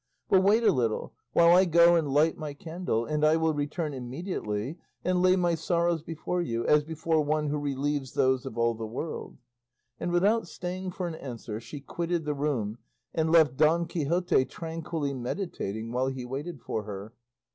But wait a little, while I go and light my candle, and I will return immediately and lay my sorrows before you as before one who relieves those of all the world;" and without staying for an answer she quitted the room and left Don Quixote tranquilly meditating while he waited for her.